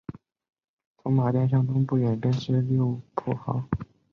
从马甸向东不远便是六铺炕。